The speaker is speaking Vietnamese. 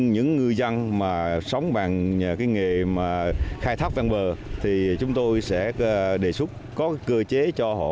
những ngư dân mà sống bằng nghề khai thác văn bờ thì chúng tôi sẽ đề xuất có cơ chế cho họ